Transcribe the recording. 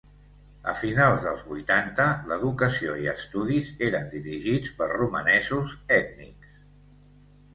A finals dels vuitanta l'educació i estudis eren dirigits per romanesos ètnics.